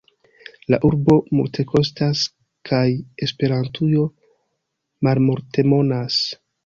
La urbo multekostas kaj Esperantujo malmultemonas.